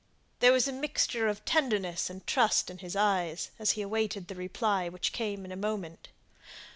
There was a mixture of tenderness and trust in his eyes, as he awaited the reply, which came in a moment.